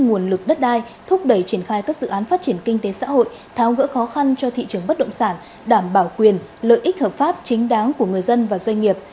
công điện nêu rõ để kịp thời tháo gỡ khó khăn và vướng mắc thúc đẩy triển khai các dự án phát triển kinh tế xã hội tháo gỡ khó khăn cho thị trường bất động sản đảm bảo quyền lợi ích hợp pháp chính đáng của người dân và doanh nghiệp